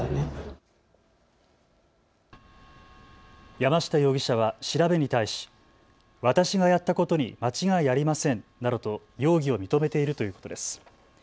山下容疑者は調べに対し私がやったことに間違いありませんなどと容疑を認めているということです。